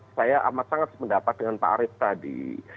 saya amat sangat sependapat dengan pak arief tadi